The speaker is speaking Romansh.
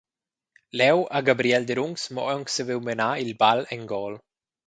Leu ha Gabriel Derungs mo aunc saviu menar il bal en gol.